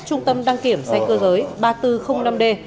trung tâm đăng kiểm xe cơ giới ba nghìn bốn trăm linh năm d